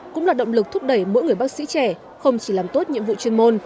cũng là động lực thúc đẩy mỗi người bác sĩ trẻ không chỉ làm tốt nhiệm vụ chuyên môn